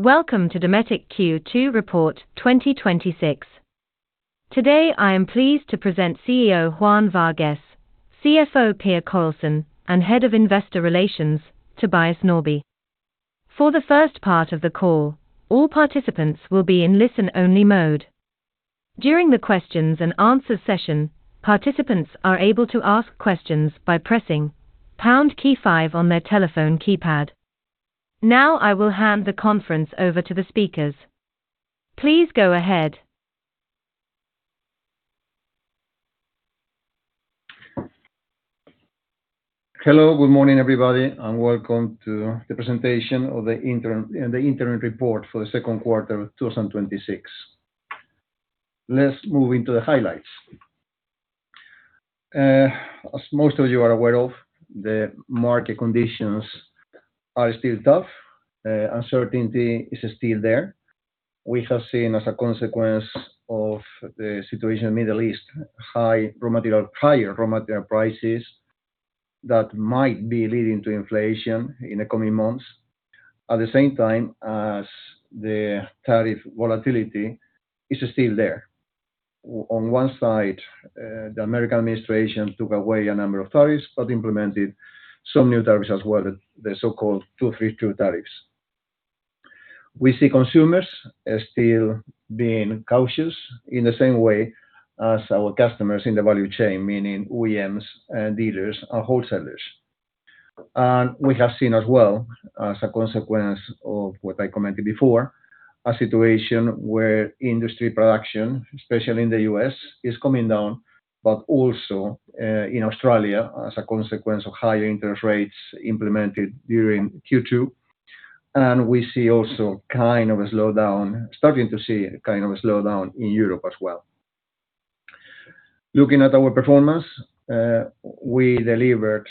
Welcome to Dometic Q2 report 2026. Today I am pleased to present CEO Juan Vargues, CFO Per Carlsson, and Head of Investor Relations, Tobias Norrby. For the first part of the call, all participants will be in listen-only mode. During the questions and answers session, participants are able to ask questions by pressing pound key five on their telephone keypad. I will hand the conference over to the speakers. Please go ahead. Hello. Good morning, everybody, welcome to the presentation of the interim report for the second quarter of 2026. Let's move into the highlights. As most of you are aware of, the market conditions are still tough. Uncertainty is still there. We have seen as a consequence of the situation in Middle East, higher raw material prices that might be leading to inflation in the coming months. The tariff volatility is still there. On one side, the American administration took away a number of tariffs, but implemented some new tariffs as well, the so-called 232 tariffs. We see consumers still being cautious in the same way as our customers in the value chain, meaning OEMs and dealers and wholesalers. We have seen as well, as a consequence of what I commented before, a situation where industry production, especially in the U.S., is coming down, but also, in Australia as a consequence of higher interest rates implemented during Q2. We see also starting to see a kind of a slowdown in Europe as well. Looking at our performance, we delivered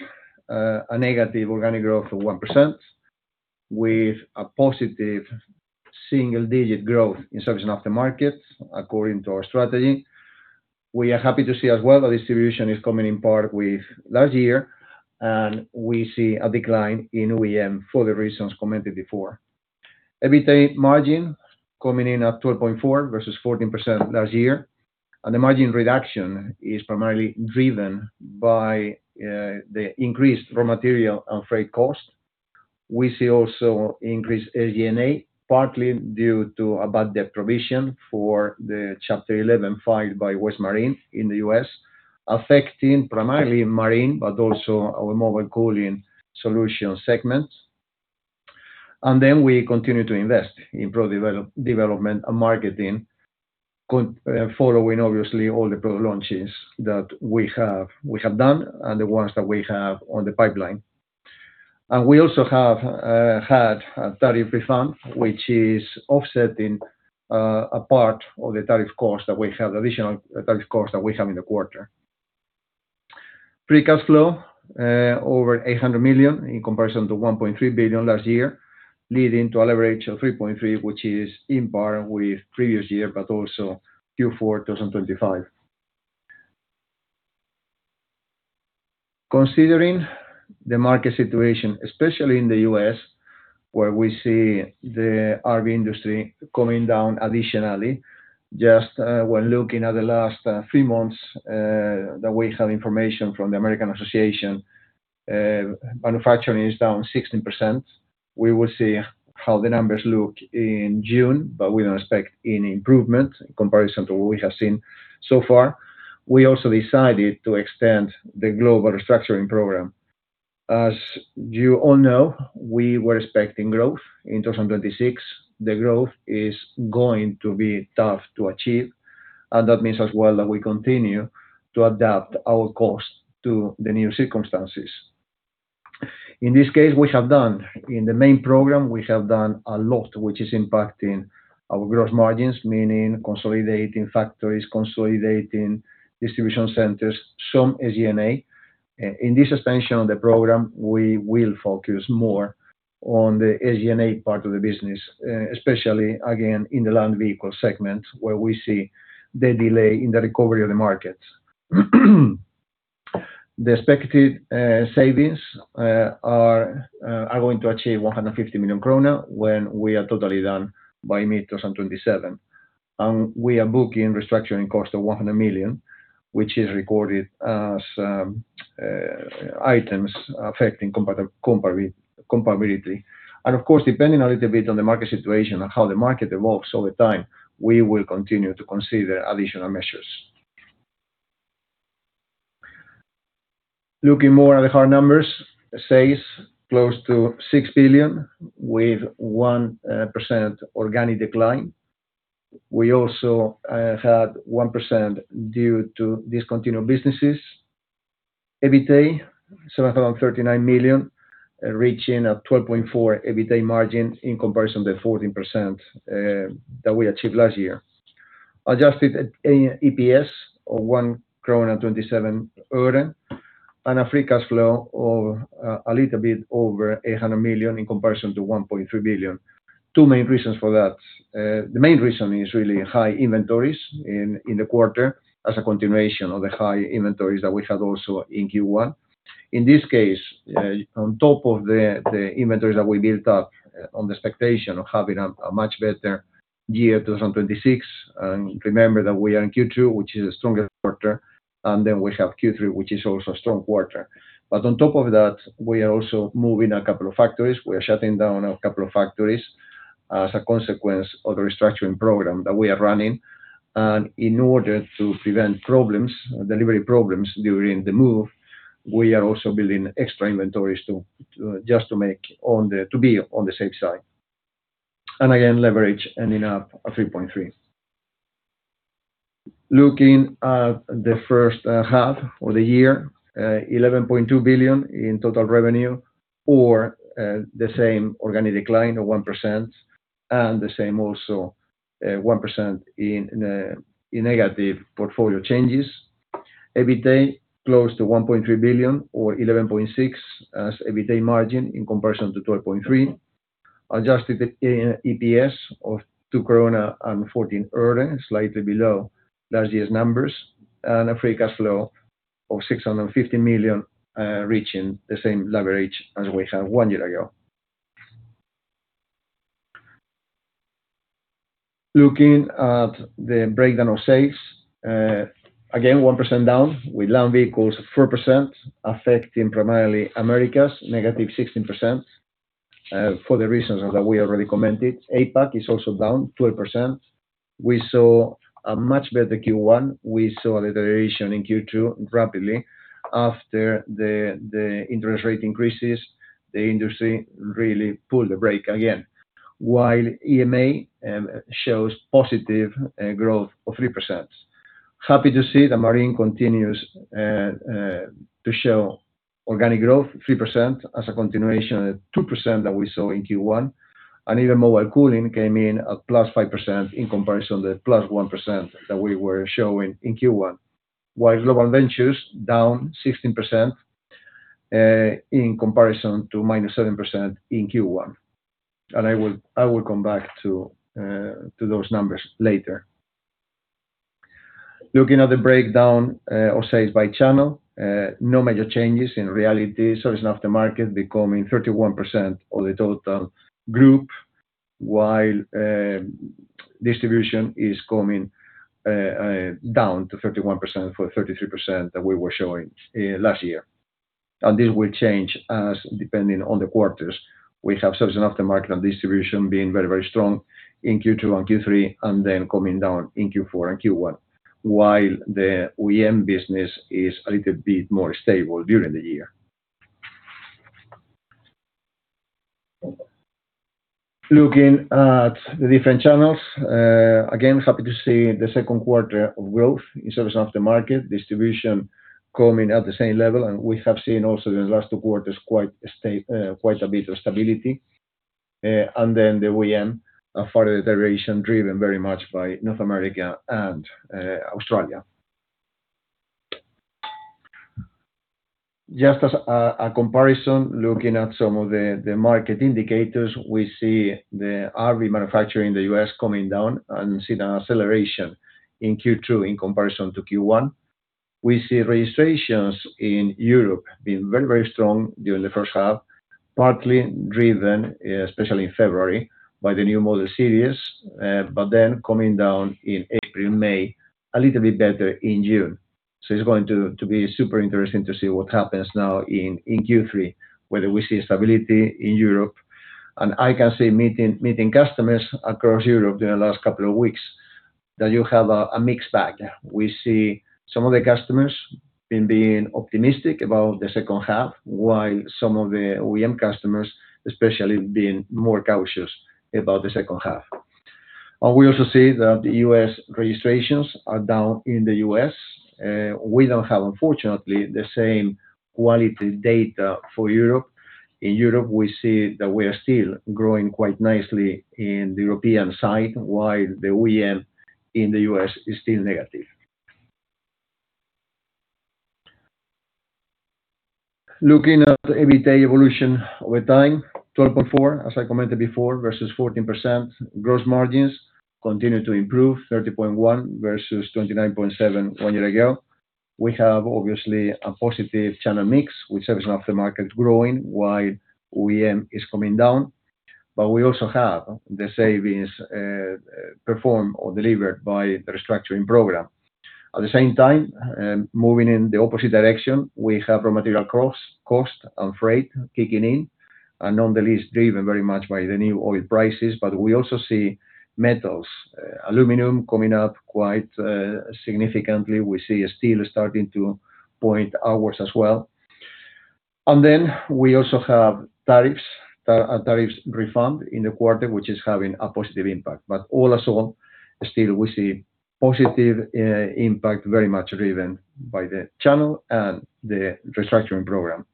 a negative organic growth of 1% with a positive single-digit growth in service and aftermarket according to our strategy. We are happy to see as well that distribution is coming in part with last year, and we see a decline in OEM for the reasons commented before. EBITA margin coming in at 12.4% versus 14% last year, and the margin reduction is primarily driven by the increased raw material and freight cost. We see also increased SG&A, partly due to a bad debt provision for the Chapter 11 filed by West Marine in the U.S., affecting primarily Marine, but also our Mobile Cooling Solutions segments. We continue to invest in product development and marketing following obviously all the product launches that we have done and the ones that we have on the pipeline. We also have had a tariff refund, which is offsetting a part of the additional tariff cost that we have in the quarter. Free cash flow, over 800 million in comparison to 1.3 billion last year, leading to a leverage of 3.3, which is in par with previous year, but also Q4 2025. Considering the market situation, especially in the U.S., where we see the RV industry coming down additionally, just when looking at the last three months that we have information from the American Association, manufacturing is down 16%. We will see how the numbers look in June, but we don't expect any improvement in comparison to what we have seen so far. We also decided to extend the global restructuring program. As you all know, we were expecting growth in 2026. The growth is going to be tough to achieve, and that means as well that we continue to adapt our cost to the new circumstances. In this case, we have done in the main program, we have done a lot, which is impacting our gross margins, meaning consolidating factories, consolidating distribution centers, some SG&A. In this extension of the program, we will focus more on the SG&A part of the business, especially again in the Land Vehicles segment where we see the delay in the recovery of the market. The expected savings are going to achieve 150 million krona when we are totally done by mid-2027. We are booking restructuring cost of 100 million, which is recorded as items affecting comparability. Of course, depending a little bit on the market situation and how the market evolves over time, we will continue to consider additional measures. Looking more at the hard numbers, sales close to 6 billion with 1% organic decline. We also had 1% due to discontinued businesses. EBITA, 739 million, reaching a 12.4% EBITA margin in comparison to 14% that we achieved last year. Adjusted EPS of SEK 1.27 and a free cash flow of a little bit over 800 million in comparison to 1.3 billion. Two main reasons for that. The main reason is really high inventories in the quarter as a continuation of the high inventories that we had also in Q1. In this case, on top of the inventories that we built up on the expectation of having a much better year 2026, and remember that we are in Q2, which is the strongest quarter, then we have Q3, which is also a strong quarter. On top of that, we are also moving a couple of factories. We are shutting down a couple of factories as a consequence of the restructuring program that we are running. In order to prevent delivery problems during the move, we are also building extra inventories just to be on the safe side. Again, leverage ending up at 3.3. Looking at the first half of the year, 11.2 billion in total revenue or the same organic decline of 1%, the same also, 1% in negative portfolio changes. EBITA close to 1.3 billion or 11.6% as EBITA margin in comparison to 12.3%. Adjusted EPS of SEK 2.14, slightly below last year's numbers. A free cash flow of 650 million, reaching the same leverage as we had one year ago. Looking at the breakdown of sales, again, 1% down with Land Vehicles 4% affecting primarily Americas -16%, for the reasons that we already commented. APAC is also down 12%. We saw a much better Q1. We saw a deterioration in Q2 rapidly after the interest rate increases. The industry really pulled the brake again. While EMEA shows positive growth of 3%. Happy to see that Marine continues to show organic growth 3% as a continuation of the 2% that we saw in Q1. Mobile Cooling came in at +5% in comparison to the +1% that we were showing in Q1. While Global Ventures -16% in comparison to -7% in Q1. I will come back to those numbers later. Looking at the breakdown of sales by channel, no major changes in reality. Service and aftermarket becoming 31% of the total group, while distribution is coming down to 31% for 33% that we were showing last year. This will change as depending on the quarters. We have service and aftermarket and distribution being very, very strong in Q2 and Q3, then coming down in Q4 and Q1. While the OEM business is a little bit more stable during the year. Looking at the different channels, again, happy to see the second quarter of growth in service and aftermarket, distribution coming at the same level. We have seen also in the last two quarters quite a bit of stability. The OEM, a further deterioration driven very much by North America and Australia. Just as a comparison, looking at some of the market indicators, we see the RV manufacturing in the U.S. coming down and see an acceleration in Q2 in comparison to Q1. We see registrations in Europe being very, very strong during the first half, partly driven, especially in February, by the new model series, but then coming down in April, May, a little bit better in June. So it's going to be super interesting to see what happens now in Q3, whether we see stability in Europe. I can say meeting customers across Europe during the last couple of weeks, that you have a mixed bag. We see some of the customers being optimistic about the second half, while some of the OEM customers especially being more cautious about the second half. We also see that the U.S. registrations are down in the U.S. We don't have, unfortunately, the same quality data for Europe. In Europe, we see that we are still growing quite nicely in the European side, while the OEM in the U.S. is still negative. Looking at the EBITA evolution over time, 12.4%, as I commented before, versus 14%. Gross margins continue to improve, 30.1% versus 29.7% one year ago. We have, obviously, a positive channel mix with service and aftermarket growing while OEM is coming down. But we also have the savings performed or delivered by the restructuring program. At the same time, moving in the opposite direction, we have raw material cost and freight kicking in, and on the least driven very much by the new oil prices. But we also see metals, aluminum coming up quite significantly. We see steel starting to point upwards as well. Then we also have tariffs refund in the quarter, which is having a positive impact. All in all, still, we see positive impact very much driven by the channel and the restructuring program.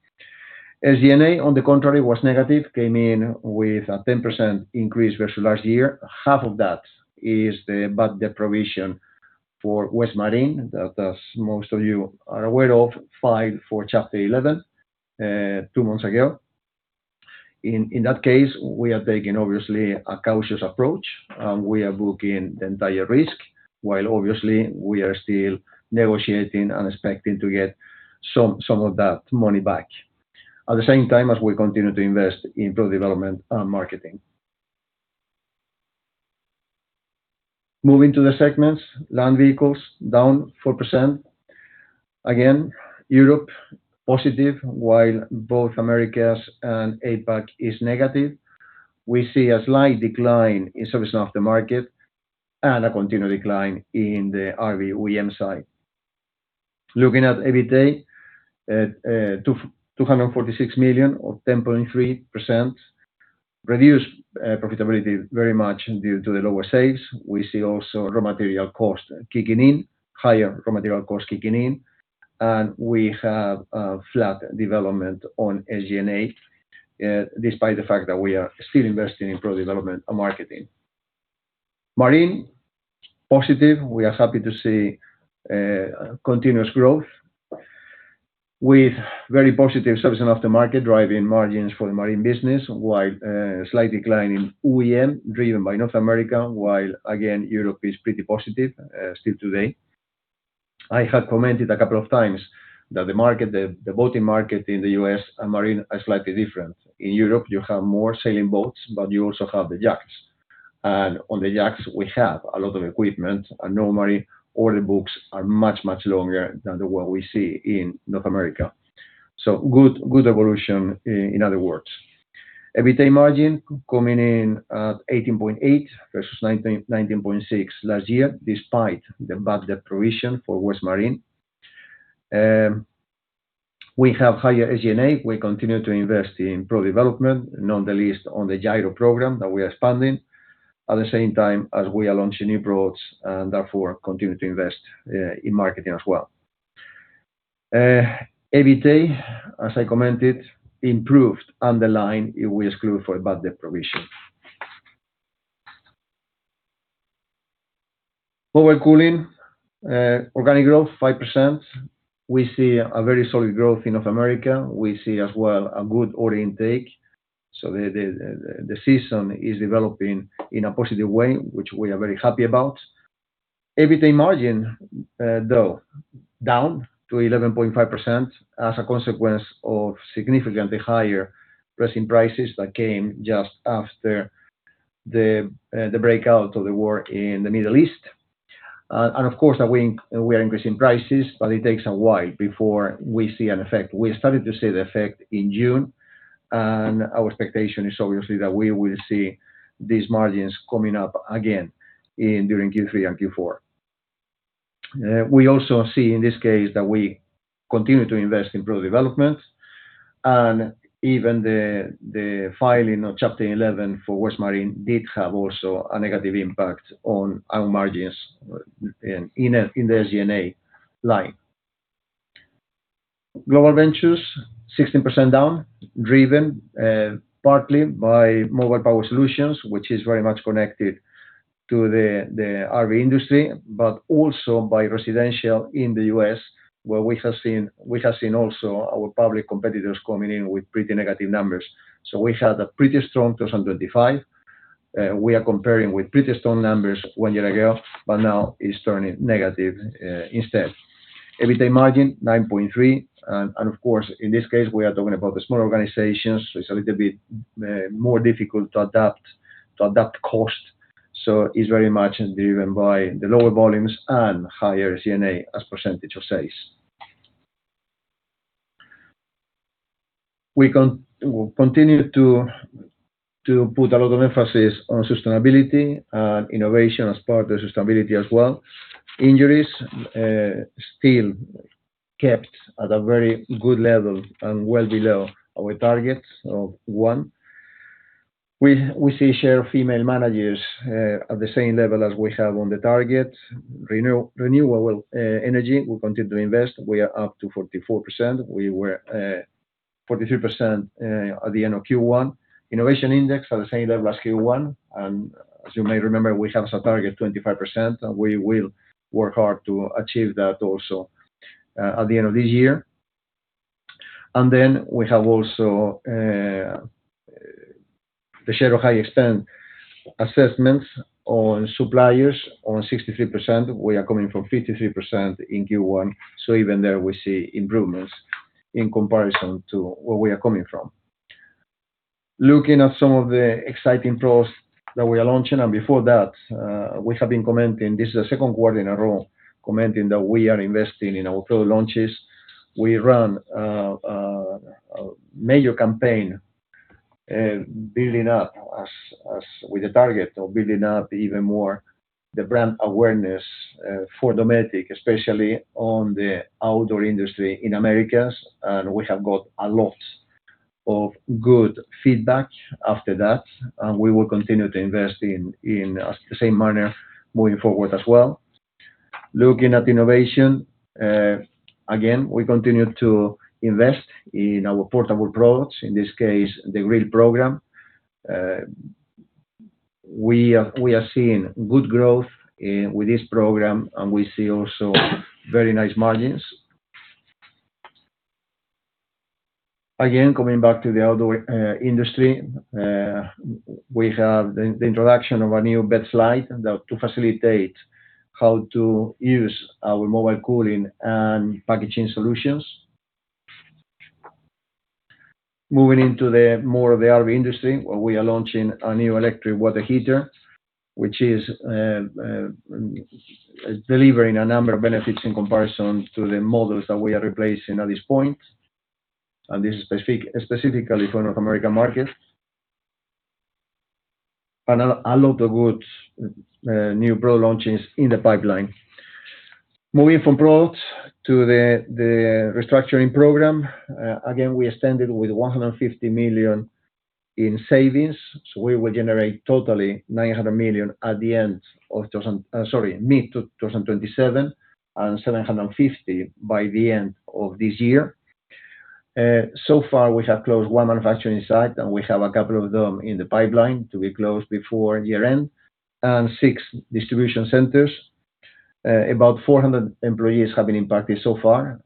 SG&A, on the contrary, was negative, came in with a 10% increase versus last year. Half of that is about the provision for West Marine, that as most of you are aware of, filed for Chapter 11 two months ago. In that case, we are taking obviously a cautious approach. We are booking the entire risk, while obviously we are still negotiating and expecting to get some of that money back. At the same time as we continue to invest in product development and marketing. Moving to the segments, Land Vehicles, down 4%. Europe positive, while both Americas and APAC is negative. We see a slight decline in service and aftermarket, and a continued decline in the RV OEM side. Looking at EBITA, at 246 million or 10.3%, reduced profitability very much due to the lower sales. We see also raw material costs kicking in, higher raw material costs kicking in. We have a flat development on SG&A, despite the fact that we are still investing in product development and marketing. Marine, positive. We are happy to see continuous growth with very positive service and aftermarket driving margins for the Marine business, while a slight decline in OEM driven by North America, while again, Europe is pretty positive still today. I have commented a couple of times that the boating market in the U.S. and Marine are slightly different. In Europe, you have more sailing boats, but you also have the yachts. On the yachts, we have a lot of equipment and normally order books are much, much longer than the one we see in North America. Good evolution, in other words. EBITA margin coming in at 18.8% versus 19.6% last year, despite the bad debt provision for West Marine. We have higher SG&A. We continue to invest in product development, not the least on the gyro program that we are expanding, at the same time as we are launching new products and therefore continue to invest in marketing as well. EBITA, as I commented, improved underlying if we exclude for bad debt provision. Mobile Cooling, organic growth 5%. We see a very solid growth in North America. We see as well a good order intake. The season is developing in a positive way, which we are very happy about. EBITA margin, though, down to 11.5% as a consequence of significantly higher pressing prices that came just after the breakout of the war in the Middle East. Of course, we are increasing prices, but it takes a while before we see an effect. We started to see the effect in June, our expectation is obviously that we will see these margins coming up again during Q3 and Q4. We also see in this case that we continue to invest in product development, even the filing of Chapter 11 for West Marine did have also a negative impact on our margins in the SG&A line. Global Ventures, 16% down, driven partly by Mobile Power Solutions, which is very much connected to the RV industry, but also by residential in the U.S., where we have seen also our public competitors coming in with pretty negative numbers. We had a pretty strong 2025. We are comparing with pretty strong numbers one year ago, but now it's turning negative instead. EBITA margin 9.3%. Of course, in this case, we are talking about the smaller organizations, it's a little bit more difficult to adapt cost. It's very much driven by the lower volumes and higher SG&A as percentage of sales. We continue to put a lot of emphasis on sustainability and innovation as part of the sustainability as well. Injuries still kept at a very good level and well below our target of one. We see share female managers at the same level as we have on the target. Renewable energy, we continue to invest. We are up to 44%. We were 43% at the end of Q1. As you may remember, we have set target 25%, and we will work hard to achieve that also at the end of this year. We have also the share of high extent assessments on suppliers on 63%. We are coming from 53% in Q1. Even there we see improvements in comparison to where we are coming from. Looking at some of the exciting products that we are launching. Before that, we have been commenting, this is the second quarter in a row, commenting that we are investing in our product launches. We run a major campaign building up with the target of building up even more the brand awareness for Dometic, especially on the outdoor industry in Americas. We have got a lot of good feedback after that, and we will continue to invest in the same manner moving forward as well. Looking at innovation, again, we continue to invest in our portable products, in this case, the grill program. We are seeing good growth with this program, and we see also very nice margins. Again, coming back to the outdoor industry, we have the introduction of a new bed slide to facilitate how to use our mobile cooling and packaging solutions. Moving into more of the RV industry, where we are launching a new electric water heater, which is delivering a number of benefits in comparison to the models that we are replacing at this point, and this is specifically for North American markets. A lot of good new product launches in the pipeline. Moving from products to the restructuring program. Again, we extended with 150 million in savings. We will generate totally 900 million at the end of sorry, mid-2027 and 750 million by the end of this year. So far, we have closed one manufacturing site, and we have a couple of them in the pipeline to be closed before year-end, and six distribution centers. About 400 employees have been impacted so far.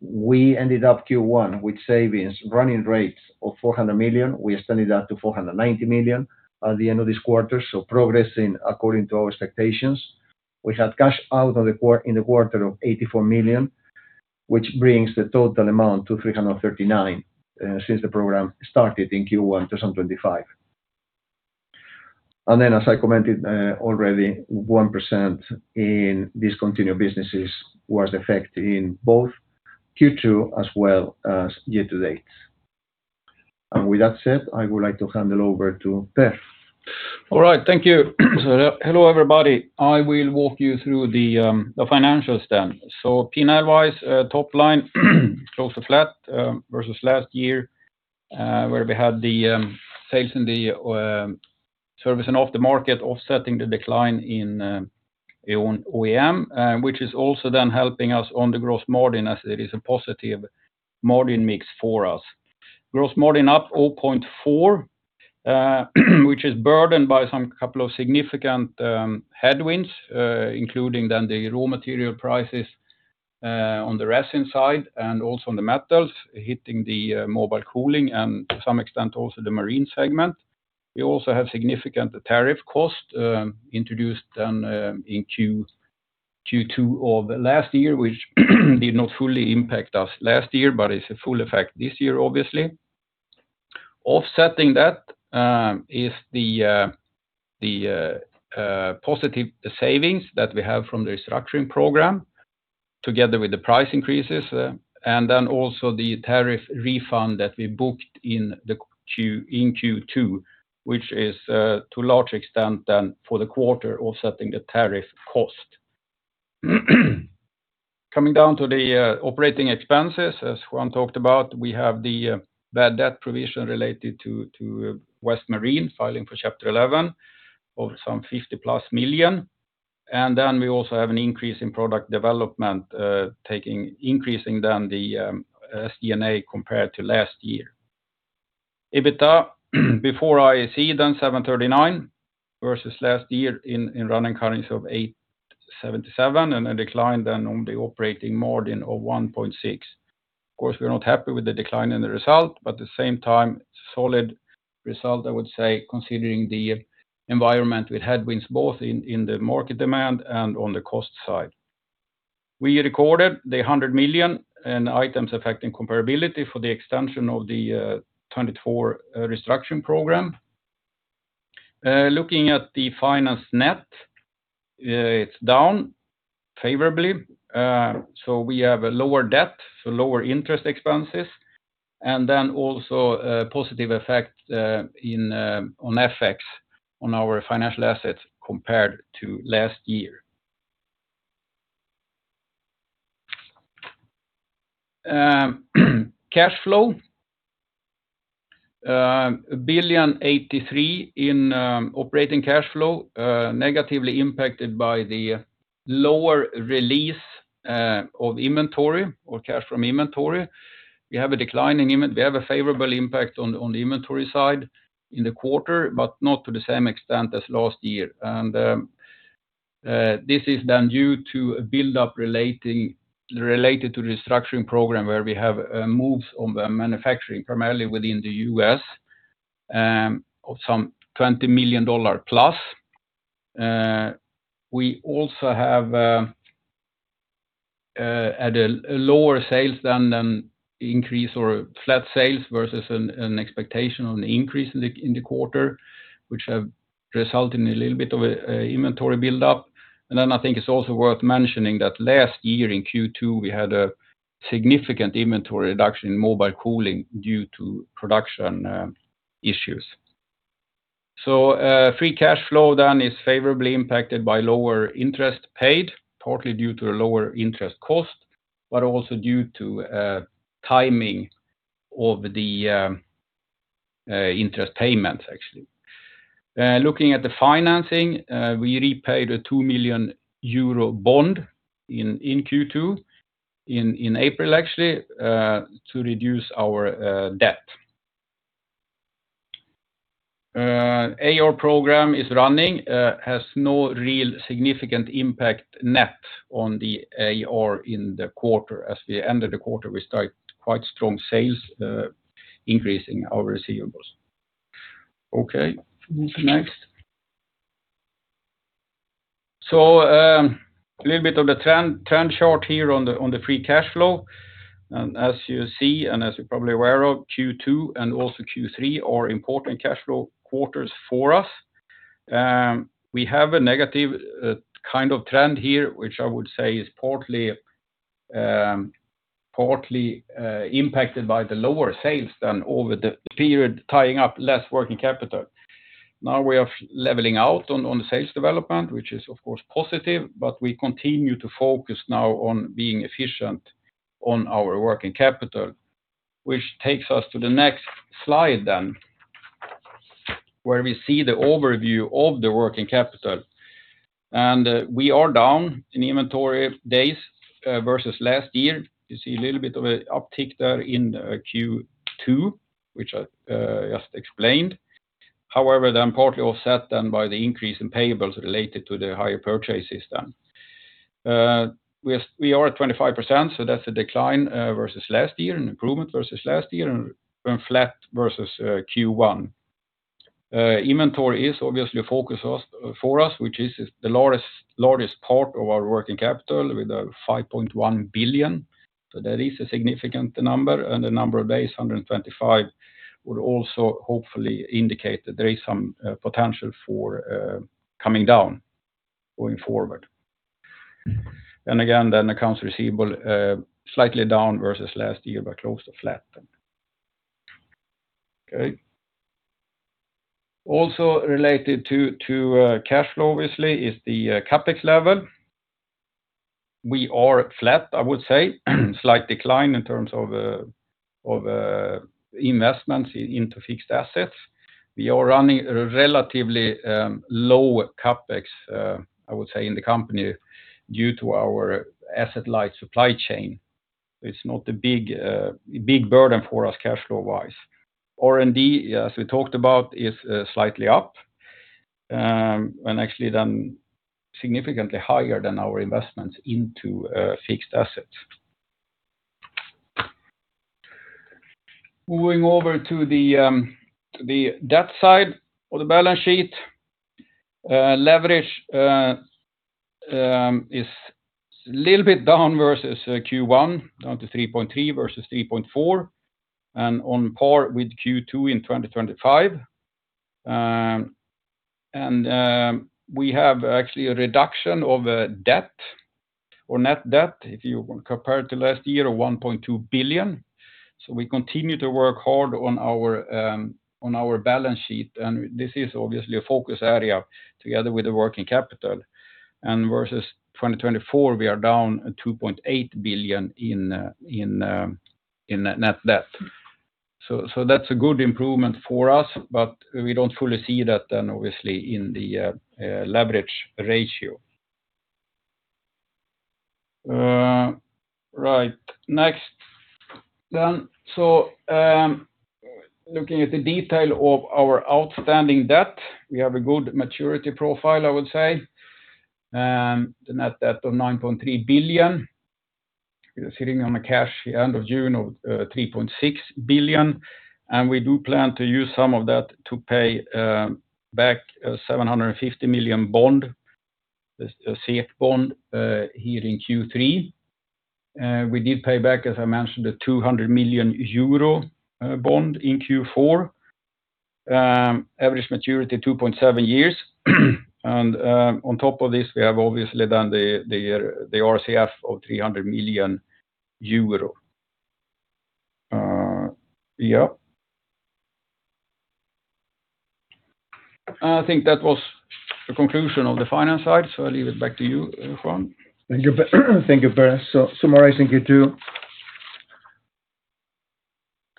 We ended up Q1 with savings running rates of 400 million. We extended that to 490 million at the end of this quarter. Progressing according to our expectations. We had cash out in the quarter of 84 million, which brings the total amount to 339 million since the program started in Q1 2025. As I commented already, 1% in discontinued businesses was affected in both Q2 as well as year to date. With that said, I would like to hand it over to Per. Thank you, Juan. Hello, everybody. I will walk you through the financials then. P&L wise, top line close to flat versus last year, where we had the sales in the service and aftermarket offsetting the decline in OEM, which is also helping us on the gross margin as it is a positive margin mix for us. Gross margin up 0.4%, which is burdened by some couple of significant headwinds, including the raw material prices on the resin side and also on the metals hitting the Mobile Cooling and to some extent, also the Marine segment. We also have significant tariff cost introduced in Q2 last year, which did not fully impact us last year, but it is in full effect this year, obviously. Offsetting that is the positive savings that we have from the restructuring program together with the price increases and also the tariff refund that we booked in Q2, which is to a large extent for the quarter offsetting the tariff cost. Coming down to the operating expenses, as Juan talked about, we have the bad debt provision related to West Marine filing for Chapter 11 of some 50+ million. We also have an increase in product development, increasing the SG&A compared to last year. EBITA before IAC, 739 million versus last year in running currency of 877 million, and a decline on the operating margin of 1.6%. Of course, we are not happy with the decline in the result, at the same time, solid result, I would say, considering the environment with headwinds both in the market demand and on the cost side. We recorded 100 million in items affecting comparability for the extension of the 2024 restructuring program. Looking at the finance net, it is down favorably. We have a lower debt, lower interest expenses, and also a positive effect on FX on our financial assets compared to last year. Cash flow. 1.083 billion in operating cash flow, negatively impacted by the lower release of inventory or cash from inventory. We have a favorable impact on the inventory side in the quarter, but not to the same extent as last year. This is due to a build-up related to the restructuring program where we have moves on the manufacturing, primarily within the U.S., of some $20+ million. We also have had a lower sales than an increase or flat sales versus an expectation on the increase in the quarter, which have resulted in a little bit of an inventory build-up. I think it is also worth mentioning that last year in Q2, we had a significant inventory reduction in Mobile Cooling due to production issues. Free cash flow is favorably impacted by lower interest paid, partly due to a lower interest cost, but also due to timing of the interest payments, actually. Looking at the financing, we repaid a 2 million euro bond in Q2. In April, actually, to reduce our debt. AR program is running, has no real significant impact net on the AR in the quarter. As we ended the quarter, we started quite strong sales, increasing our receivables. Okay, move to next. A little bit of the trend chart here on the free cash flow. As you see, and as you're probably aware of, Q2 and also Q3 are important cash flow quarters for us. We have a negative kind of trend here, which I would say is partly impacted by the lower sales than over the period, tying up less working capital. We are leveling out on the sales development, which is of course positive, but we continue to focus now on being efficient on our working capital. Which takes us to the next slide, where we see the overview of the working capital. We are down in inventory days versus last year. You see a little bit of an uptick there in Q2, which I just explained. However, partly offset by the increase in payables related to the higher purchases. We are at 25%, that's a decline versus last year, an improvement versus last year and flat versus Q1. Inventory is obviously a focus for us, which is the largest part of our working capital with a 5.1 billion. That is a significant number, and the number of days, 125, would also hopefully indicate that there is some potential for coming down going forward. Again, the accounts receivable slightly down versus last year, but close to flat. Related to cash flow obviously is the CapEx level. We are flat, I would say, slight decline in terms of investments into fixed assets. We are running a relatively low CapEx, I would say, in the company due to our asset light supply chain. It's not a big burden for us cash flow wise. R&D, as we talked about, is slightly up. Actually significantly higher than our investments into fixed assets. Moving over to the debt side of the balance sheet. Leverage is a little bit down versus Q1, down to 3.3 versus 3.4, and on par with Q2 in 2025. We have actually a reduction of debt or net debt, if you compare it to last year of 1.2 billion. We continue to work hard on our balance sheet, and this is obviously a focus area together with the working capital. Versus 2024, we are down 2.8 billion in net debt. That's a good improvement for us, but we don't fully see that obviously in the leverage ratio. Next. Looking at the detail of our outstanding debt, we have a good maturity profile, I would say. The net debt of 9.3 billion. We are sitting on a cash at the end of June of 3.6 billion, we do plan to use some of that to pay back a 750 million bond, the SEK bond, here in Q3. We did pay back, as I mentioned, the 200 million euro bond in Q4. Average maturity 2.7 years. On top of this, we have obviously done the RCF of EUR 300 million. I think that was the conclusion of the finance side, I leave it back to you, Juan. Thank you, Per. Summarizing Q2.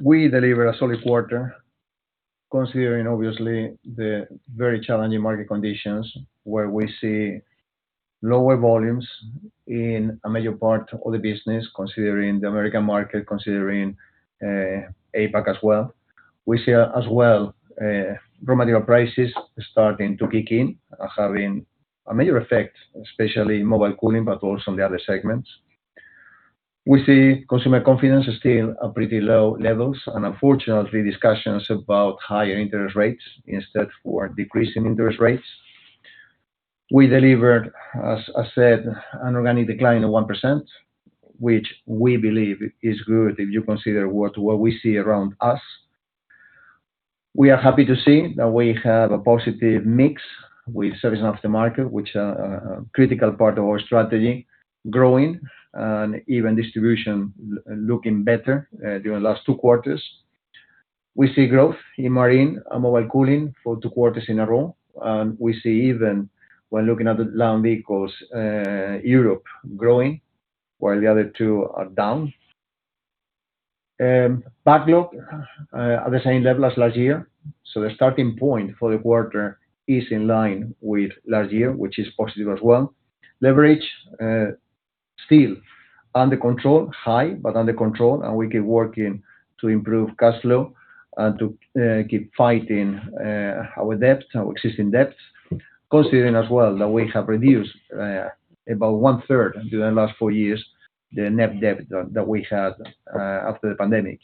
We delivered a solid quarter considering obviously the very challenging market conditions where we see lower volumes in a major part of the business considering the American market, considering APAC as well. We see as well raw material prices starting to kick in and having a major effect, especially Mobile Cooling, but also on the other segments. We see consumer confidence is still at pretty low levels and unfortunately discussions about higher interest rates instead for decreasing interest rates. We delivered, as I said, an organic decline of 1%, which we believe is good if you consider what we see around us. We are happy to see that we have a positive mix with service and aftermarket, which are a critical part of our strategy growing and even distribution looking better during the last two quarters. We see growth in Marine and Mobile Cooling for two quarters in a row. We see even when looking at the Land Vehicles, Europe growing while the other two are down. Backlog at the same level as last year. The starting point for the quarter is in line with last year, which is positive as well. Leverage, still under control, high, but under control, and we keep working to improve cash flow and to keep fighting our debts, our existing debts, considering as well that we have reduced about one third during the last four years, the net debt that we had after the pandemic.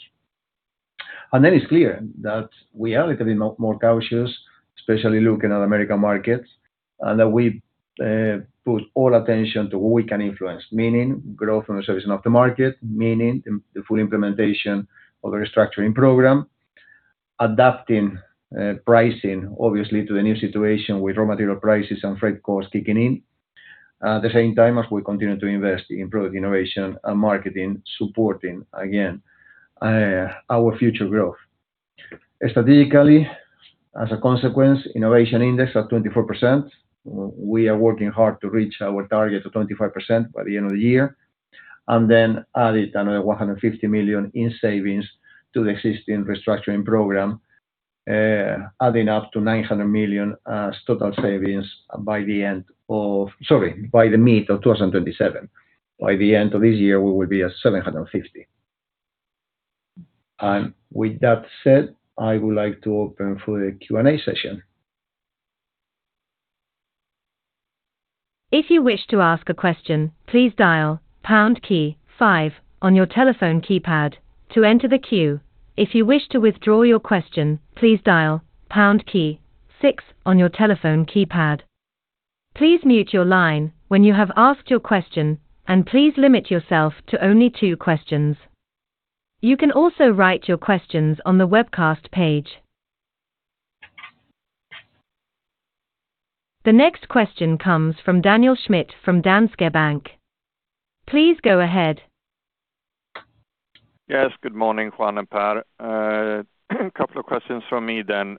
It's clear that we are a little bit more cautious, especially looking at American markets, and that we put all attention to what we can influence, meaning growth and the servicing of the market, meaning the full implementation of the restructuring program, adapting pricing obviously to the new situation with raw material prices and freight costs kicking in. At the same time as we continue to invest in product innovation and marketing, supporting, again our future growth. Strategically, as a consequence, innovation index at 24%. We are working hard to reach our target of 25% by the end of the year. We added another 150 million in savings to the existing restructuring program, adding up to 900 million as total savings by the mid of 2027. By the end of this year, we will be at 750 million. With that said, I would like to open for the Q&A session. If you wish to ask a question, please dial pound key five on your telephone keypad to enter the queue. If you wish to withdraw your question, please dial pound key six on your telephone keypad. Please mute your line when you have asked your question, and please limit yourself to only two questions. You can also write your questions on the webcast page. The next question comes from Daniel Schmidt from Danske Bank. Please go ahead. Yes, good morning, Juan and Per. A couple of questions from me then.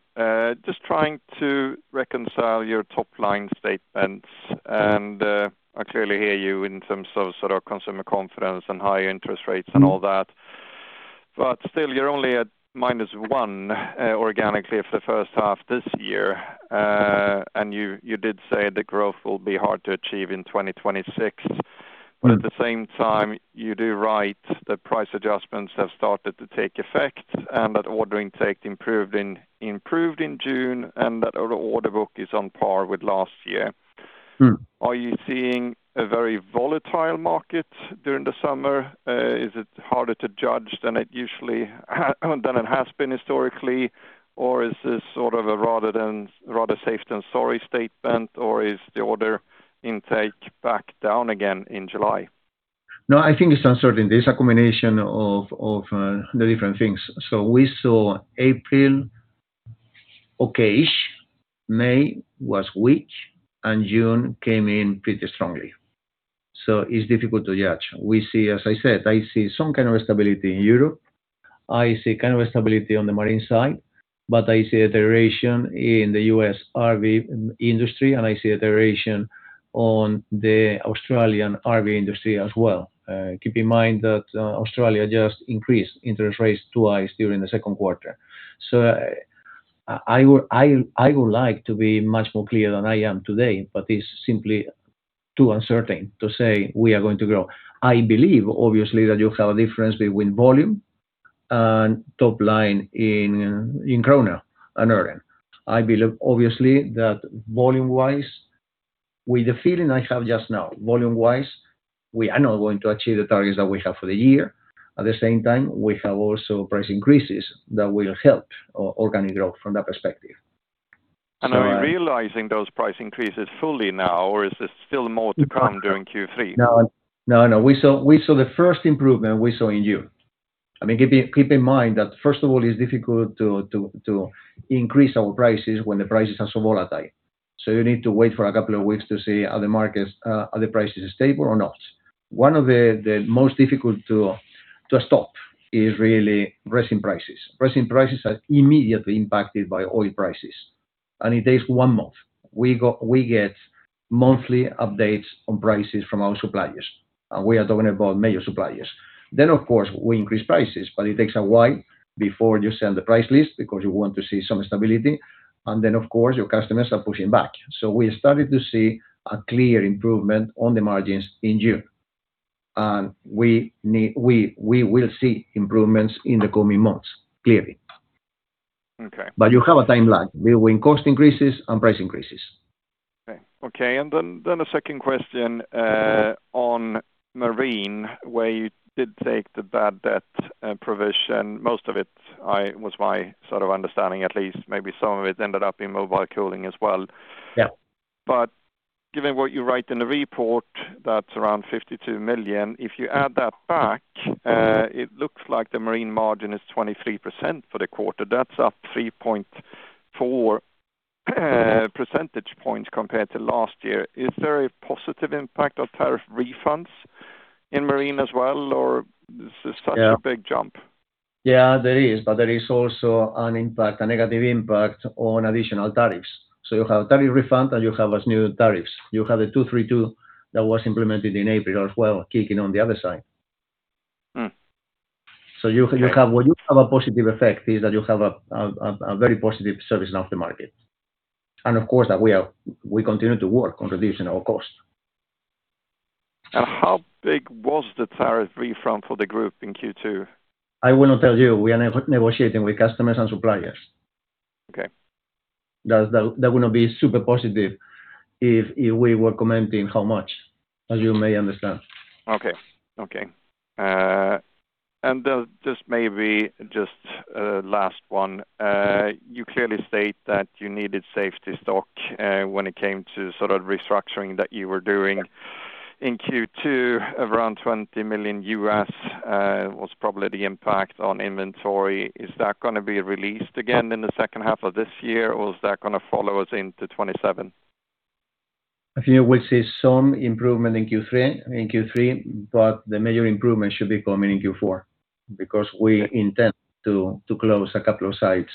Just trying to reconcile your top-line statements, I clearly hear you in terms of consumer confidence and high interest rates and all that. Still, you're only at minus one organically for the first half this year. You did say the growth will be hard to achieve in 2026. At the same time, you do write that price adjustments have started to take effect and that order intake improved in June and that the order book is on par with last year. Are you seeing a very volatile market during the summer? Is it harder to judge than it has been historically, or is this a rather safe than sorry statement, or is the order intake back down again in July? No, I think it's uncertain. There's a combination of the different things. We saw April okay-ish, May was weak, and June came in pretty strongly. It's difficult to judge. As I said, I see some kind of stability in Europe. I see kind of stability on the Marine side, but I see a deterioration in the U.S. RV industry, and I see a deterioration on the Australian RV industry as well. Keep in mind that Australia just increased interest rates twice during the second quarter. I would like to be much more clear than I am today, but it's simply too uncertain to say we are going to grow. I believe, obviously, that you have a difference between volume and top line in Krona and earning. I believe, obviously, that volume-wise, with the feeling I have just now, volume-wise, we are not going to achieve the targets that we have for the year. At the same time, we have also price increases that will help organic growth from that perspective. Are you realizing those price increases fully now, or is there still more to come during Q3? No. We saw the first improvement we saw in June. Keep in mind that, first of all, it's difficult to increase our prices when the prices are so volatile. You need to wait for a couple of weeks to see, are the prices stable or not? One of the most difficult to stop is really resin prices. Resin prices are immediately impacted by oil prices. It takes one month. We get monthly updates on prices from our suppliers, and we are talking about major suppliers. Of course, we increase prices, but it takes a while before you send the price list because you want to see some stability. Then, of course, your customers are pushing back. We started to see a clear improvement on the margins in June. We will see improvements in the coming months, clearly. Okay. You have a timeline between cost increases and price increases. Okay. The second question on Marine, where you did take the bad debt provision, most of it was my sort of understanding, at least maybe some of it ended up in Mobile Cooling as well. Yeah. Given what you write in the report, that's around 52 million. If you add that back, it looks like the Marine margin is 23% for the quarter. That's up 3.4 percentage points compared to last year. Is there a positive impact of tariff refunds in Marine as well, or this is such a big jump? Yeah, there is, but there is also a negative impact on additional tariffs. You have tariff refund and you have new tariffs. You have the Section 232 that was implemented in April as well, kicking on the other side. What you have a positive effect is that you have a very positive service now of the market. Of course, we continue to work on reducing our cost. How big was the tariff refund for the group in Q2? I will not tell you. We are negotiating with customers and suppliers. Okay. That would not be super positive if we were commenting how much, as you may understand. Okay. Just maybe just last one. You clearly state that you needed safety stock, when it came to restructuring that you were doing in Q2, around $20 million was probably the impact on inventory. Is that going to be released again in the second half of this year, or is that going to follow us into 2027? I think we'll see some improvement in Q3, but the major improvement should be coming in Q4, because we intend to close a couple of sites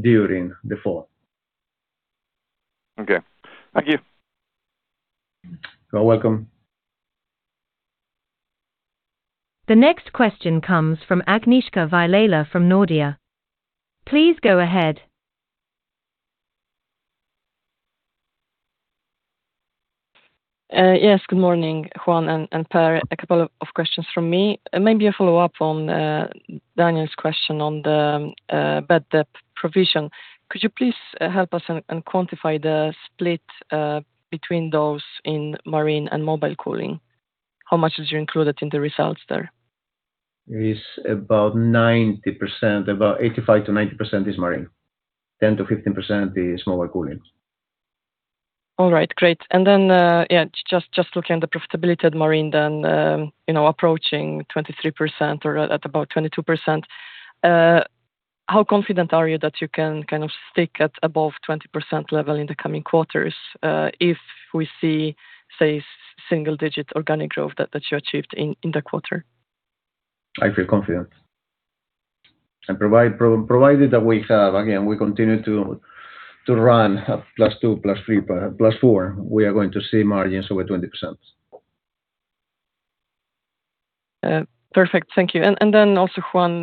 during the fall. Okay. Thank you. You are welcome. The next question comes from Agnieszka Vilela from Nordea. Please go ahead. Yes, good morning, Juan and Per. A couple of questions from me. Maybe a follow-up on Daniel's question on the bad debt provision. Could you please help us and quantify the split between those in Marine and Mobile Cooling? How much did you include it in the results there? It is about 90%, about 85%-90% is Marine, 10%-15% is Mobile Cooling. All right, great. Just looking at the profitability at Marine then, approaching 23% or at about 22%. How confident are you that you can kind of stick at above 20% level in the coming quarters, if we see, say, single digit organic growth that you achieved in the quarter? I feel confident. Provided that we have, again, we continue to run at +2, +3, +4, we are going to see margins over 20%. Perfect. Thank you. Juan,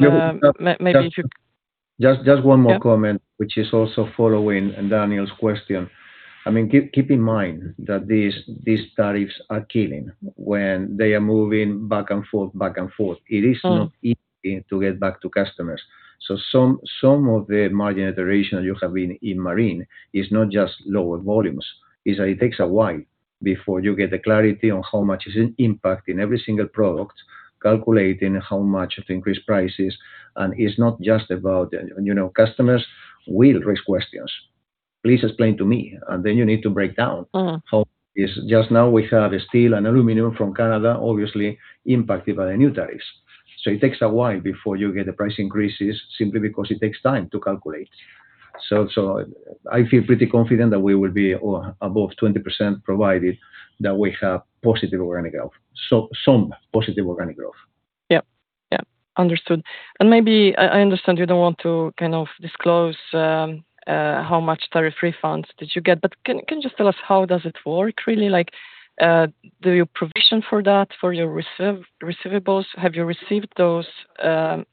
maybe if you Just one more comment. Yeah which is also following Daniel's question. Keep in mind that these tariffs are killing when they are moving back and forth. It is not easy to get back to customers. Some of the margin iteration you have been in Marine is not just lower volumes. It takes a while before you get the clarity on how much is it impacting every single product, calculating how much of the increased price is. It's not just about, customers will raise questions. "Please explain to me." Then you need to break down how it's just now we have steel and aluminum from Canada, obviously impacted by the new tariffs. It takes a while before you get the price increases, simply because it takes time to calculate. I feel pretty confident that we will be above 20% provided that we have positive organic growth. Some positive organic growth. Yep. Understood. Maybe, I understand you don't want to disclose how much tariff refunds did you get, but can you just tell us how does it work, really? Do you provision for that, for your receivables? Have you received those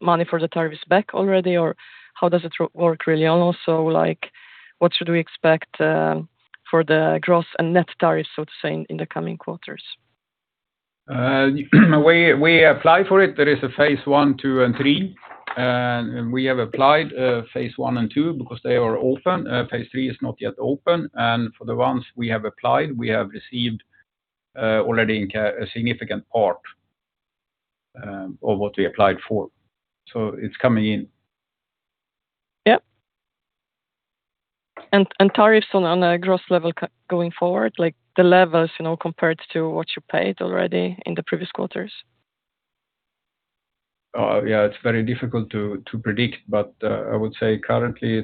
money for the tariffs back already, or how does it work, really? What should we expect for the gross and net tariffs, so to say, in the coming quarters? We apply for it. There is a phase I, II, and III. We have applied phase I and II because they are open. Phase III is not yet open. For the ones we have applied, we have received already a significant part of what we applied for. It's coming in. Tariffs on a gross level going forward, the levels, compared to what you paid already in the previous quarters? It's very difficult to predict, I would say currently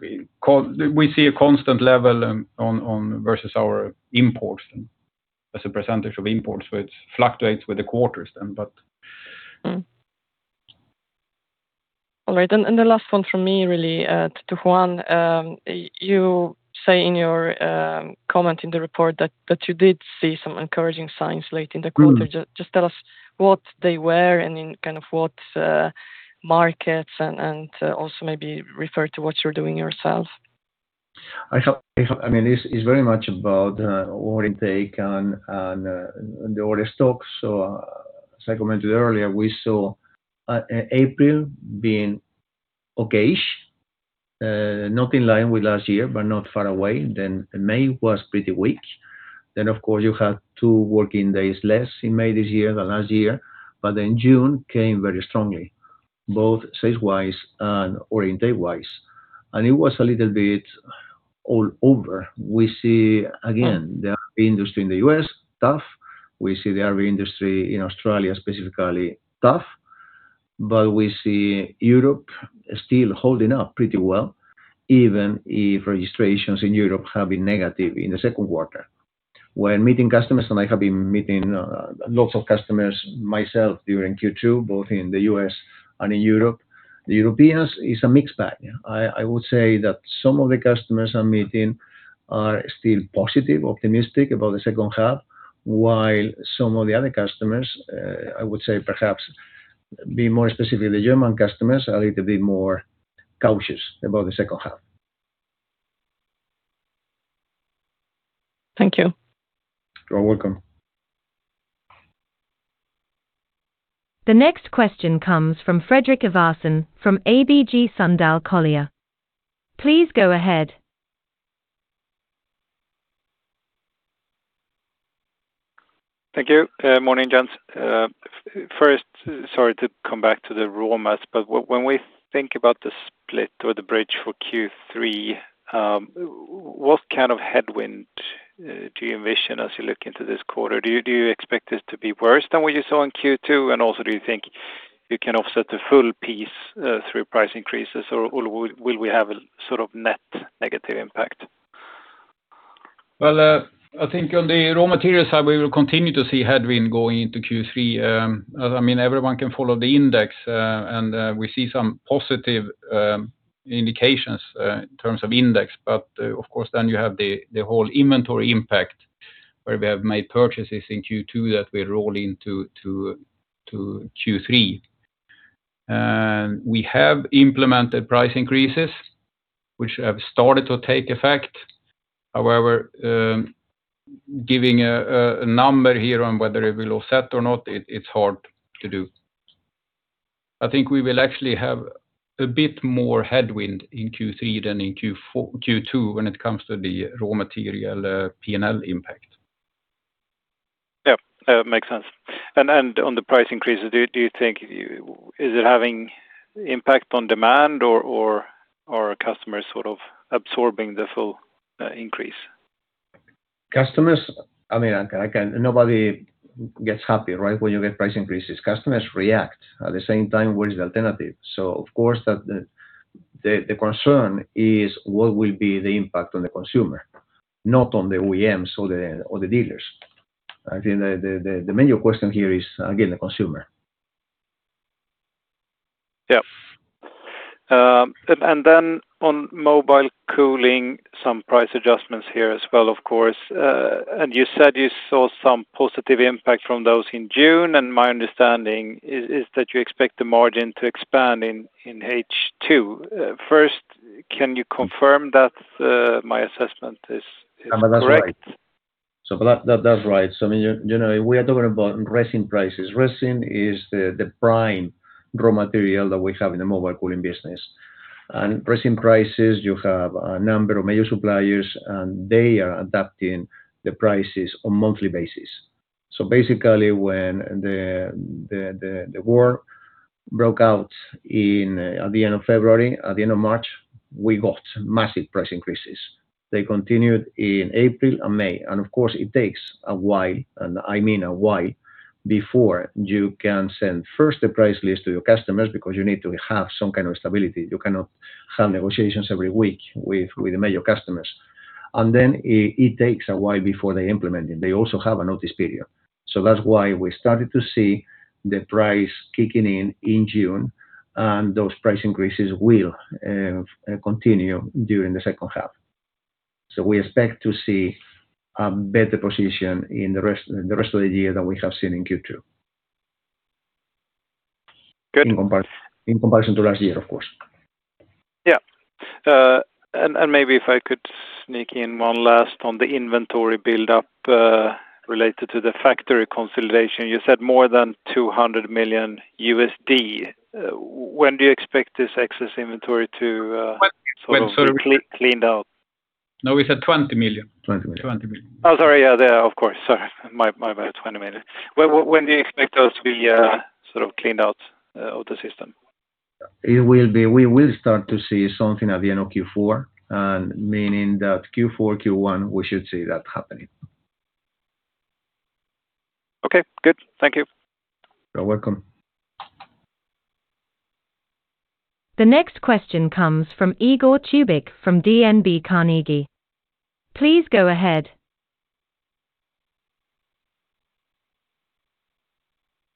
we see a constant level versus our imports, as a percentage of imports, where it fluctuates with the quarters then. The last one from me, really, to Juan. You say in your comment in the report that you did see some encouraging signs late in the quarter. Just tell us what they were and in what markets, and also maybe refer to what you're doing yourselves. It's very much about order intake and the order stocks. As I commented earlier, we saw April being okay-ish. Not in line with last year, but not far away. May was pretty weak. Of course, you had two working days less in May this year than last year. June came very strongly, both sales-wise and order intake-wise. It was a little bit all over. We see, again, the RV industry in the U.S., tough. We see the RV industry in Australia specifically, tough. We see Europe still holding up pretty well, even if registrations in Europe have been negative in the second quarter. When meeting customers, and I have been meeting lots of customers myself during Q2, both in the U.S. and in Europe, Europeans is a mixed bag. I would say that some of the customers I'm meeting are still positive, optimistic about the second half, while some of the other customers, I would say perhaps be more specific, the German customers are a little bit more cautious about the second half. Thank you. You are welcome. The next question comes from Fredrik Ivarsson from ABG Sundal Collier. Please go ahead. Thank you. Morning, gents. First, sorry to come back to the raw mats, but when we think about the split or the bridge for Q3, what kind of headwind do you envision as you look into this quarter? Do you expect it to be worse than what you saw in Q2? Do you think you can offset the full piece through price increases, or will we have a sort of net negative impact? Well, I think on the raw material side, we will continue to see headwind going into Q3. Everyone can follow the index, we see some positive indications in terms of index. Of course, then you have the whole inventory impact where we have made purchases in Q2 that we roll into Q3. We have implemented price increases, which have started to take effect. However, giving a number here on whether it will offset or not, it's hard to do. I think we will actually have a bit more headwind in Q3 than in Q2 when it comes to the raw material P&L impact. Yeah. Makes sense. On the price increases, is it having impact on demand or are customers sort of absorbing the full increase? Customers, nobody gets happy when you get price increases. Customers react. At the same time, where is the alternative? Of course, the concern is what will be the impact on the consumer, not on the OEMs or the dealers. I think the major question here is, again, the consumer. On Mobile Cooling, some price adjustments here as well, of course. You said you saw some positive impact from those in June, and my understanding is that you expect the margin to expand in H2. First, can you confirm that my assessment is correct? That's right. We are talking about resin prices. Resin is the prime raw material that we have in the Mobile Cooling business. Resin prices, you have a number of major suppliers, and they are adapting the prices on monthly basis. Basically, when the war broke out at the end of February, at the end of March, we got massive price increases. They continued in April and May, and of course, it takes a while, and I mean a while, before you can send first the price list to your customers, because you need to have some kind of stability. You cannot have negotiations every week with the major customers. Then it takes a while before they implement it. They also have a notice period. That's why we started to see the price kicking in in June, and those price increases will continue during the second half. We expect to see a better position in the rest of the year than we have seen in Q2. Good. In comparison to last year, of course. Maybe if I could sneak in one last on the inventory buildup related to the factory consolidation. You said more than $200 million. When do you expect this excess inventory to- When- sort of be cleaned out? No, we said $20 million. $20 million. $20 million. Oh, sorry. Yeah, of course. Sorry. My bad. $20 million. When do you expect those to be sort of cleaned out of the system? We will start to see something at the end of Q4, meaning that Q4, Q1, we should see that happening. Okay, good. Thank you. You're welcome. The next question comes from Igor Tubic from DNB Carnegie. Please go ahead.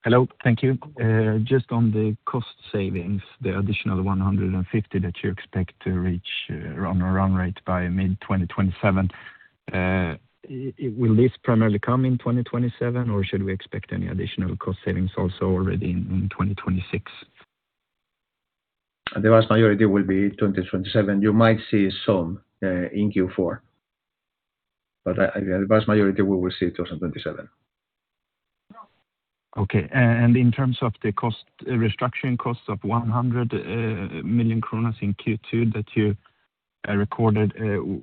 Hello. Thank you. Just on the cost savings, the additional 150 million that you expect to reach on a run rate by mid-2027. Will this primarily come in 2027, or should we expect any additional cost savings also already in 2026? The vast majority will be 2027. You might see some in Q4, but the vast majority we will see in 2027. Okay. In terms of the restructuring costs of 100 million kronor in Q2 that you recorded,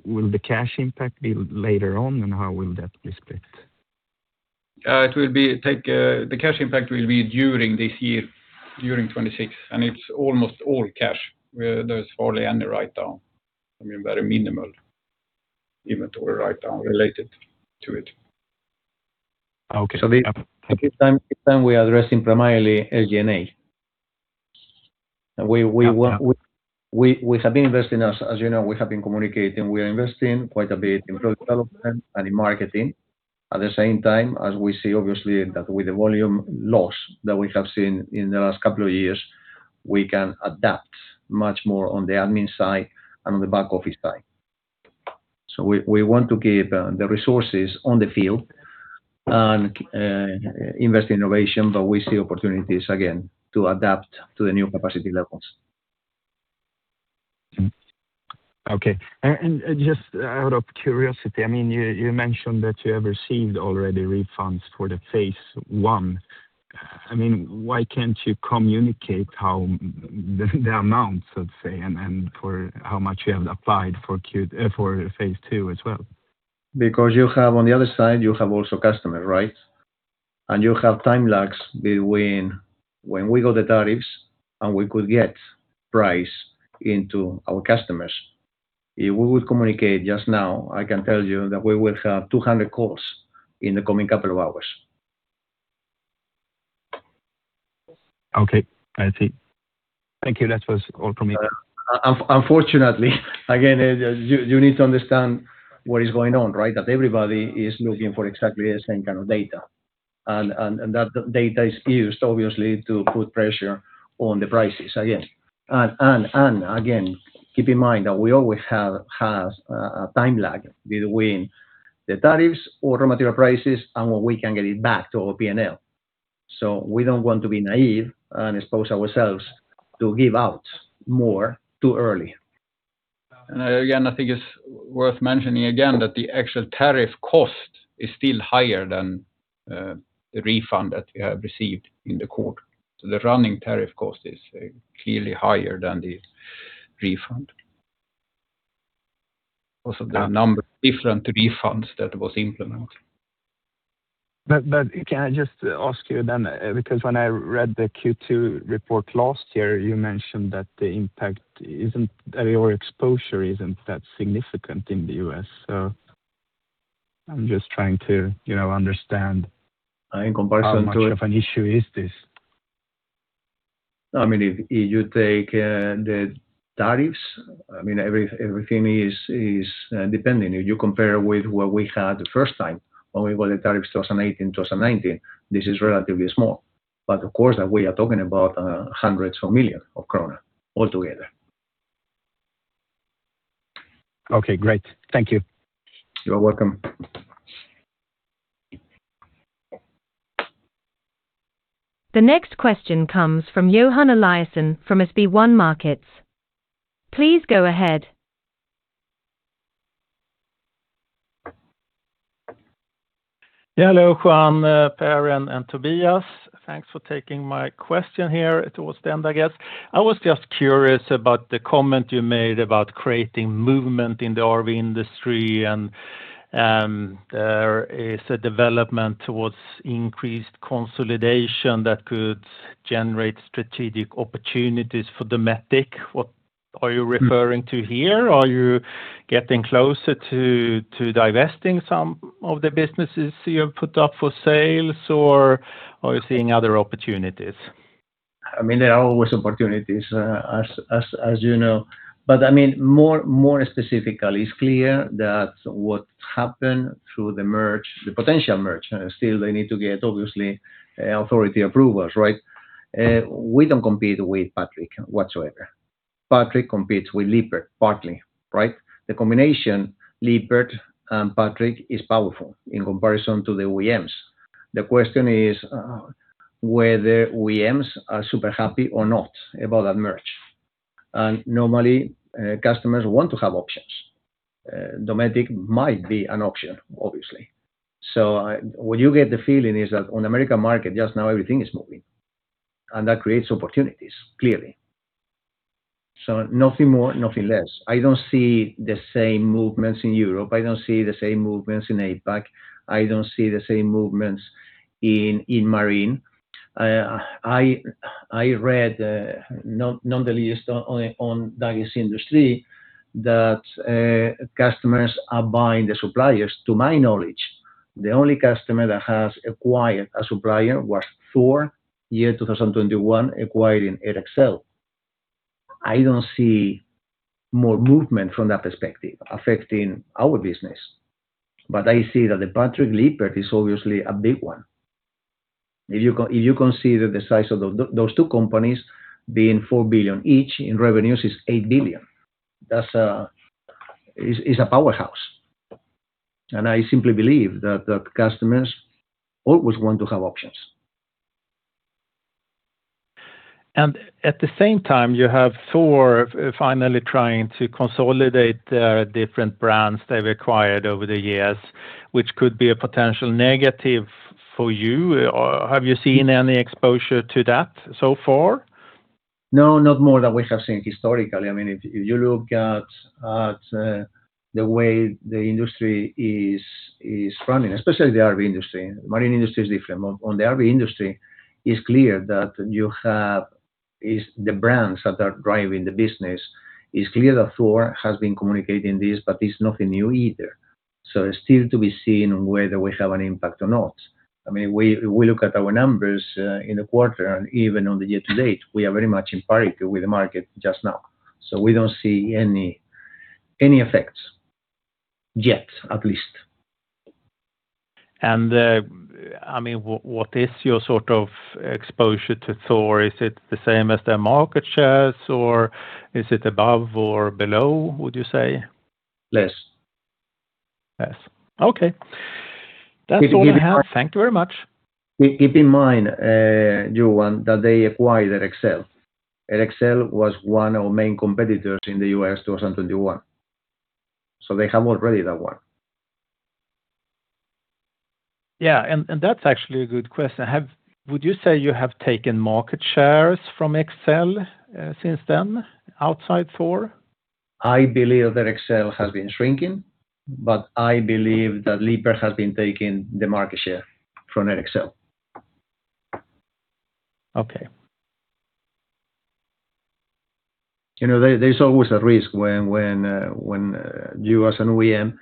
will the cash impact be later on, and how will that be split? The cash impact will be during this year, during 2026, and it's almost all cash. There's hardly any write-down. Very minimal inventory write-down related to it. Okay. This time we are addressing primarily SG&A. We have been investing, as you know, we have been communicating. We are investing quite a bit in product development and in marketing. At the same time, as we see, obviously, that with the volume loss that we have seen in the last couple of years, we can adapt much more on the admin side and on the back office side. We want to keep the resources on the field and invest in innovation, but we see opportunities again to adapt to the new capacity levels. Okay. Just out of curiosity, you mentioned that you have received already refunds for the phase I. Why can't you communicate how the amounts, let's say, and for how much you have applied for phase II as well? You have, on the other side, you have also customer, right? You have time lags between when we got the tariffs and we could get price into our customers. If we would communicate just now, I can tell you that we will have 200 calls in the coming couple of hours. Okay. I see. Thank you. That was all from me. Unfortunately, again, you need to understand what is going on, right? That everybody is looking for exactly the same kind of data. That data is used, obviously, to put pressure on the prices. Again, keep in mind that we always have had a time lag between the tariffs, raw material prices, and when we can get it back to our P&L. We don't want to be naive and expose ourselves to give out more too early. Again, I think it's worth mentioning again that the actual tariff cost is still higher than the refund that we have received in the quarter. The running tariff cost is clearly higher than the refund. Also the number of different refunds that was implemented. Can I just ask you then, because when I read the Q2 report last year, you mentioned that the impact isn't, or your exposure isn't that significant in the U.S. I'm just trying to understand. In comparison to. How much of an issue is this? If you take the tariffs, everything is depending. If you compare with what we had the first time when we got the tariffs 2018/2019, this is relatively small. Of course, we are talking about hundreds of million of Krona altogether. Okay, great. Thank you. You're welcome. The next question comes from Johan Eliason from SB1 Markets. Please go ahead. Yeah, hello, Juan, Per and Tobias. Thanks for taking my question here towards the end, I guess. I was just curious about the comment you made about creating movement in the RV industry and there is a development towards increased consolidation that could generate strategic opportunities for Dometic. What are you referring to here? Are you getting closer to divesting some of the businesses you have put up for sales, or are you seeing other opportunities? There are always opportunities as you know. More specifically, it's clear that what happened through the merge, the potential merge, still they need to get, obviously, authority approvals, right? We don't compete with Patrick whatsoever. Patrick competes with Lippert partly, right? The combination Lippert and Patrick is powerful in comparison to the OEMs. The question is whether OEMs are super happy or not about that merge. Normally, customers want to have options. Dometic might be an option, obviously. What you get the feeling is that on American market just now, everything is moving, and that creates opportunities, clearly. Nothing more, nothing less. I don't see the same movements in Europe. I don't see the same movements in APAC. I don't see the same movements in Marine. I read, not the least on Dagens Industri, that customers are buying the suppliers. To my knowledge, the only customer that has acquired a supplier was Thor 2021 acquiring Airxcel. I don't see more movement from that perspective affecting our business. I see that the Patrick Lippert is obviously a big one. If you consider the size of those two companies being 4 billion each in revenues is 8 billion. That is a powerhouse. I simply believe that the customers always want to have options. At the same time, you have Thor finally trying to consolidate their different brands they've acquired over the years, which could be a potential negative for you, or have you seen any exposure to that so far? No, not more than we have seen historically. If you look at the way the industry is running, especially the RV industry, marine industry is different. The RV industry, it's clear that you have the brands that are driving the business. It's clear that Thor has been communicating this, but it's nothing new either. It's still to be seen whether we have an impact or not. We look at our numbers in the quarter and even on the year to date, we are very much in parity with the market just now. We don't see any effects yet, at least. What is your exposure to Thor? Is it the same as their market shares, or is it above or below, would you say? Less. Less. Okay. That's all I have. Thank you very much. Keep in mind, Johan, that they acquired Airxcel. Airxcel was one of our main competitors in the U.S. till 2021. They have already that one. that's actually a good question. Would you say you have taken market shares from Airxcel since then, outside Thor? I believe that Airxcel has been shrinking, but I believe that Liebherr has been taking the market share from Airxcel. Okay. There's always a risk when you as an OEM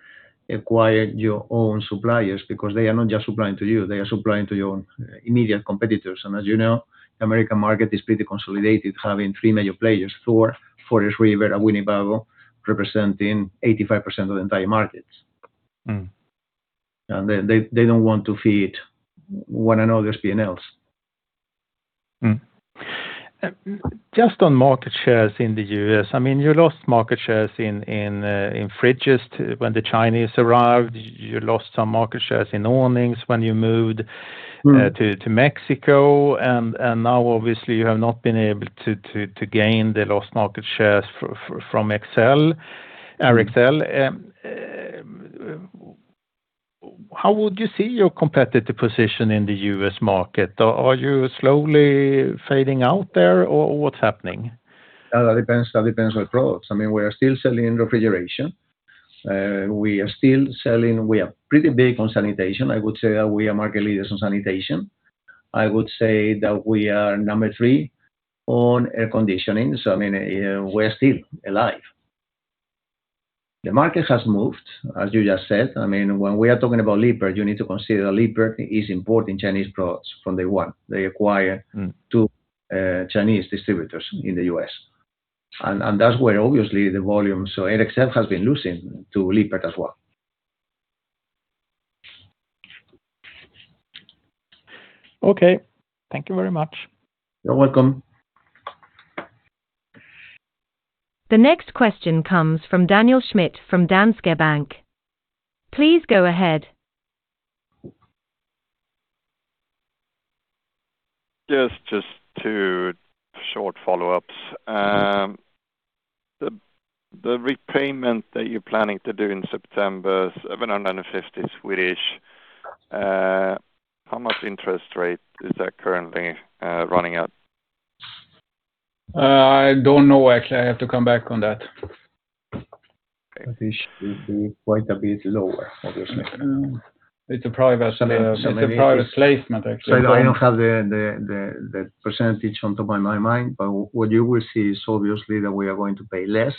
acquire your own suppliers because they are not just supplying to you, they are supplying to your immediate competitors. As you know, American market is pretty consolidated, having three major players, Thor, Forest River, and Winnebago, representing 85% of the entire market. They don't want to feed one another's P&Ls. Mm-hmm. Just on market shares in the U.S., you lost market shares in fridges when the Chinese arrived. You lost some market shares in awnings when you moved to Mexico. Now obviously you have not been able to gain the lost market shares from Airxcel. How would you see your competitive position in the U.S. market? Are you slowly fading out there or what's happening? That depends on products. We are still selling refrigeration. We are still selling, we are pretty big on sanitation. I would say that we are market leaders on sanitation. I would say that we are number three on air conditioning. We're still alive. The market has moved, as you just said. When we are talking about Liebherr, you need to consider Liebherr is importing Chinese products from day one. They acquired two Chinese distributors in the U.S. Airxcel has been losing to Liebherr as well. Okay. Thank you very much. You're welcome. The next question comes from Daniel Schmidt from Danske Bank. Please go ahead. Just two short follow-ups. The repayment that you're planning to do in September, 750 million, how much interest rate is that currently running at? I don't know, actually. I have to come back on that. It should be quite a bit lower, obviously. It's a private placement, actually. I don't have the percentage on top of my mind, but what you will see is obviously that we are going to pay less,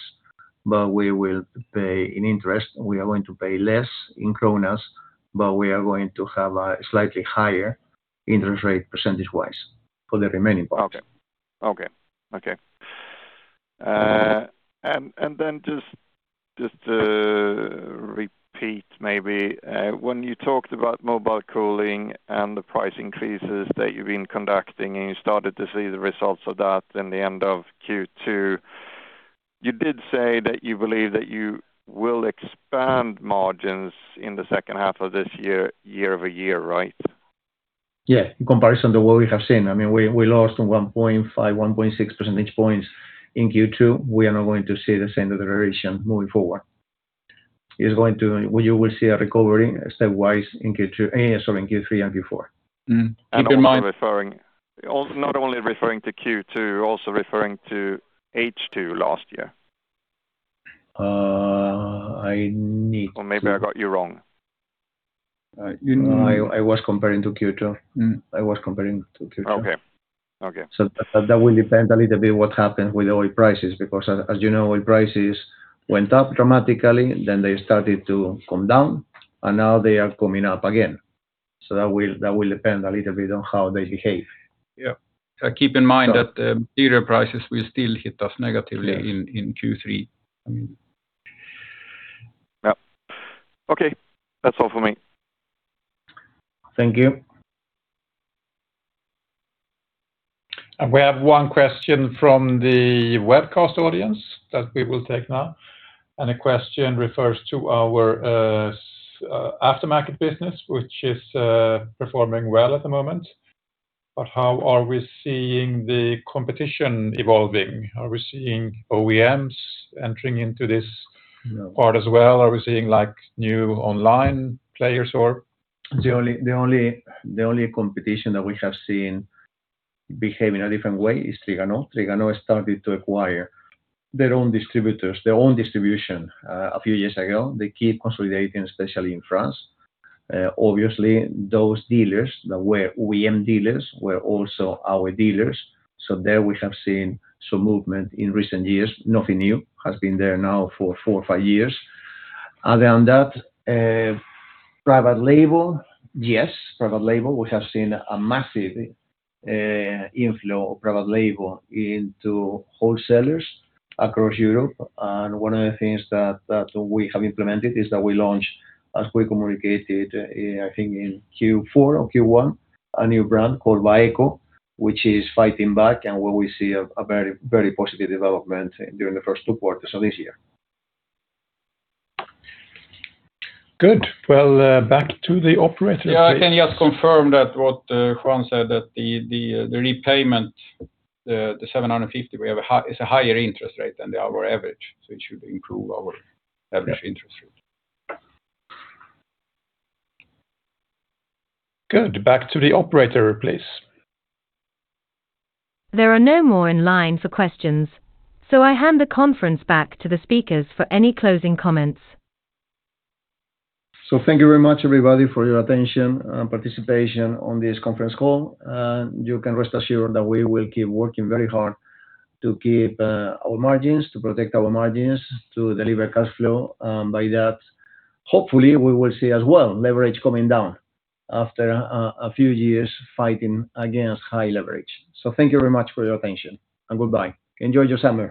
but we will pay in interest. We are going to pay less in Kronas, but we are going to have a slightly higher interest rate percentage-wise for the remaining part. Okay. Just to repeat maybe, when you talked about Mobile Cooling and the price increases that you've been conducting, you started to see the results of that in the end of Q2, you did say that you believe that you will expand margins in the second half of this year-over-year, right? Yeah, in comparison to what we have seen. We lost 1.5, 1.6 percentage points in Q2. We are not going to see the same deterioration moving forward. You will see a recovery stepwise in Q3 and Q4. Keep in mind. Not only referring to Q2, also referring to H2 last year. I need to- Maybe I got you wrong. No, I was comparing to Q2. Okay. That will depend a little bit what happen with oil prices, because as you know, oil prices went up dramatically, then they started to come down, and now they are coming up again. That will depend a little bit on how they behave. Keep in mind that material prices will still hit us negatively in Q3. That's all for me. Thank you. We have one question from the webcast audience that we will take now. The question refers to our aftermarket business, which is performing well at the moment. How are we seeing the competition evolving? Are we seeing OEMs entering into this part as well? Are we seeing new online players? The only competition that we have seen behave in a different way is Trigano. Trigano started to acquire their own distributors, their own distribution, a few years ago. They keep consolidating, especially in France. Obviously, those dealers that were OEM dealers were also our dealers. There we have seen some movement in recent years. Nothing new. Has been there now for four or five years. Other than that, private label, yes, private label, we have seen a massive inflow of private label into wholesalers across Europe. One of the things that we have implemented is that we launched, as we communicated, I think in Q4 or Q1, a new brand called Waeco, which is fighting back and where we see a very positive development during the first two quarters of this year. Good. Well, back to the operator, please. Yeah, I can just confirm that what Juan said, that the repayment, the 750 million, is a higher interest rate than our average, so it should improve our average interest rate. Good. Back to the operator, please. There are no more in line for questions, I hand the conference back to the speakers for any closing comments. Thank you very much everybody for your attention and participation on this conference call. You can rest assured that we will keep working very hard to keep our margins, to protect our margins, to deliver cash flow. By that, hopefully, we will see as well leverage coming down after a few years fighting against high leverage. Thank you very much for your attention, and goodbye. Enjoy your summer.